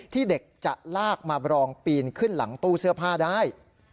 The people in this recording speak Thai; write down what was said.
ที่เด็กจะลากมาบรองปีนขึ้นหลังตู้เสื้อผ้าได้